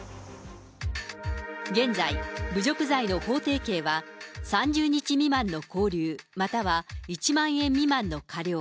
現在、侮辱罪の法定刑は、３０日未満の拘留、または１万円未満の科料。